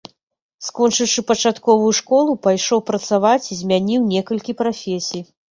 Скончыўшы пачатковую школу, пайшоў працаваць і змяніў некалькі прафесій.